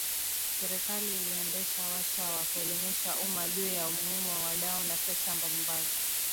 Serikali iliendesha warsha ya kuelimisha umma juu ya umuhimu wa wadau na sekta mbalimbali